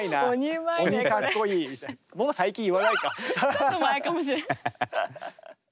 ちょっと前かもしれない。